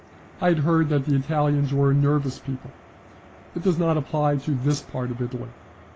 I had heard that the Italians were a nervous people. It does not apply to this part of Italy.